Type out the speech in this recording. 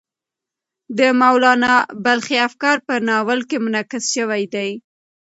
د مولانا بلخي افکار په ناول کې منعکس شوي دي.